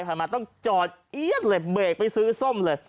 ผ่านมาต้องจอดเล็บเบรกไปซื้อส้มเลย